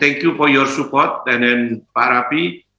terima kasih atas dukungan anda pak rapi